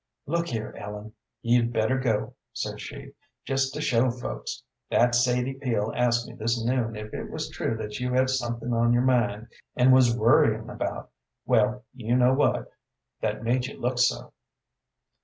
"Look here, Ellen, you'd better go," said she, "just to show folks. That Sadie Peel asked me this noon if it was true that you had something on your mind, and was worrying about well, you know what that made you look so."